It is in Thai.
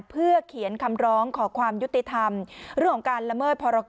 เพื่อเขียนคำร้องขอความยุติธรรม